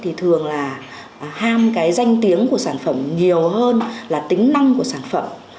thì thường là ham cái danh tiếng của sản phẩm nhiều hơn là tính năng của sản phẩm